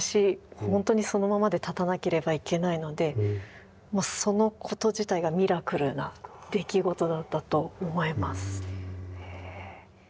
本当にそのままで立たなければいけないのでもうそのこと自体がミラクルな出来事だったと思います。